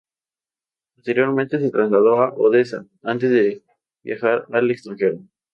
Posteriormente se trasladó a Odessa, antes de viajar al extranjero.